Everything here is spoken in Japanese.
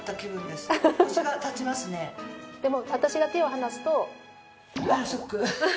でも私が手を離すと。